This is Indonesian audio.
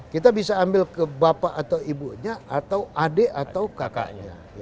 kita bisa ambil ke bapak atau ibunya atau adik atau kakaknya